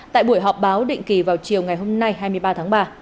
tại buổi họp báo định kỳ vào chiều ngày hôm nay hai mươi ba tháng ba